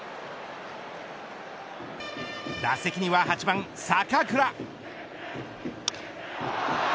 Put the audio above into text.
打席には８番坂倉。